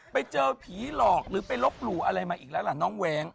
ไปเจอผีหลอกหรือไปลบหลู่อะไรมาอีกแล้วล่ะน้องแว้ง